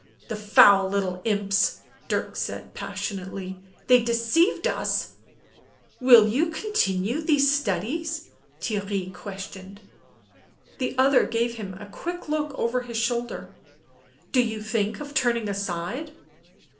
" The foul little imps !" Dirk said passionately. " They deceived us !"" Will you continue these studies'?" Theirry ques tioned. The other gave him a quick look over his shoulder. "Do you think of turning aside?"